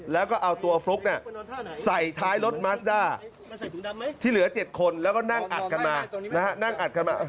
แล้วก็เอาตัวฟลุ๊กเนี่ยใส่ท้ายรถมัสดาร์ที่เหลือเจ็บคนแล้วก็นั่งอัดกันมา